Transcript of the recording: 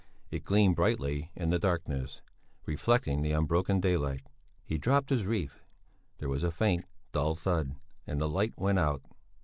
It gleamed brightly in the darkness, reflecting the unbroken daylight. He dropped his wreath. There was a faint, dull thud, and the light went out.